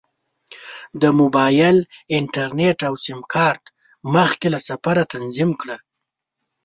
د موبایل انټرنیټ او سیم کارت مخکې له سفره تنظیم کړه.